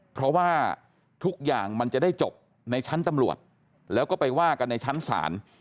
เพราะว่าทุกอย่างมันจะได้จบในชั้นตำรวจแล้วก็ไปว่ากันในชั้นศาล